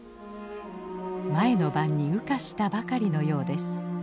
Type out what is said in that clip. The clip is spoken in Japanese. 前の晩に羽化したばかりのようです。